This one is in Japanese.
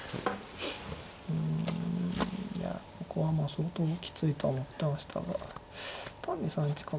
うんいやここはまあ相当きついとは思ってましたが単に３一角。